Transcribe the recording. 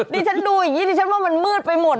ดิฉันดูอย่างนี้ดิฉันว่ามันมืดไปหมด